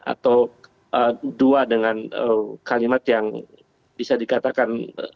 atau dua dengan kalimat yang bisa dikatakan